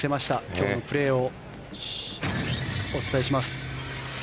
今日のプレーをお伝えします。